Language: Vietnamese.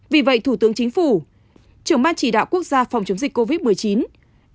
vì vậy thủ tướng chính phủ trưởng ban chỉ đạo quốc gia phòng chống dịch covid một mươi chín